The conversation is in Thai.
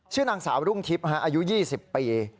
ชื่อนางสาวรุ่งทิปน์อายุยี่สิบปี